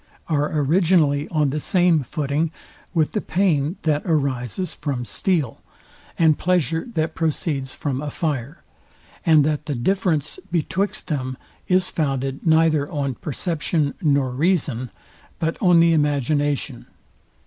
are originally on the same footing with the pain that arises from steel, and pleasure that proceeds from a fire; and that the difference betwixt them is founded neither on perception nor reason, but on the imagination.